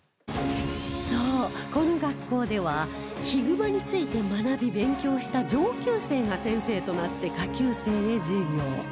そうこの学校ではヒグマについて学び勉強した上級生が先生となって下級生へ授業